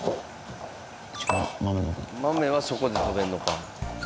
豆はそこで食べんのか。